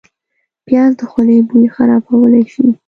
پیاز د خولې بوی خرابولی شي